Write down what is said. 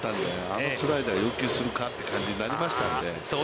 あのスライダーを要求するかという感じになりましたので。